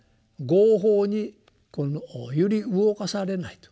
「業報」に揺り動かされないと。